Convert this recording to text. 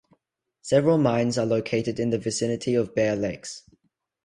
Several mines are located in the vicinity of Bear Lakes.